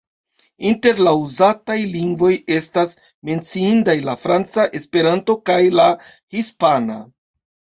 Inter la uzataj lingvoj estas menciindaj la franca, Esperanto kaj la hispana.